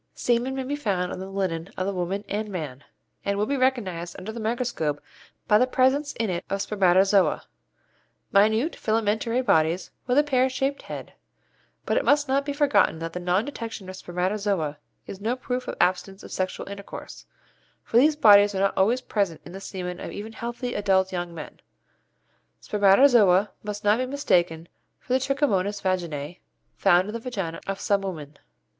Semen may be found on the linen of the woman and man, and will be recognized under the microscope by the presence in it of spermatozoa, minute filamentary bodies with a pear shaped head; but it must not be forgotten that the non detection of spermatozoa is no proof of absence of sexual intercourse, for these bodies are not always present in the semen of even healthy adult young men. Spermatozoa must not be mistaken for the Trichomonas vaginæ found in the vaginæ of some women.